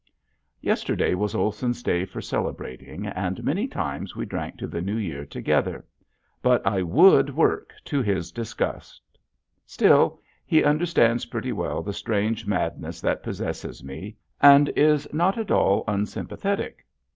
Yesterday was Olson's day for celebrating and many times we drank to the New Year together. But I would work, to his disgust. Still he understands pretty well the strange madness that possesses me, and is not at all unsympathetic.